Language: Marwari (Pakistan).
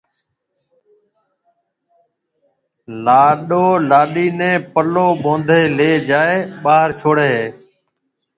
لاڏو لاڏِي نيَ پلو ٻونڌيَ ليَ جائيَ ٻاھر ڇوڙھيََََ ھيََََ